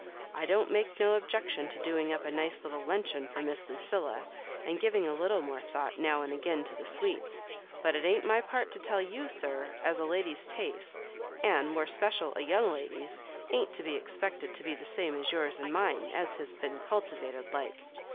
I don't make no objection to doing up a nioe little luncheon for Miss Lucilla, and giving a little more thought now and again to the sweets ; bat it ain*t my part to tell you, sir, as a lady's taste, and more special a young lady's, ain't to be expected to be the same as yours and mme as has been cultivated like.